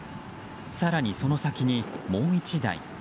更に、その先にもう１台。